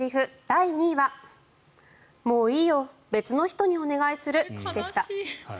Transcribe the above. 第２位はもういいよ別の人にお願いするでした。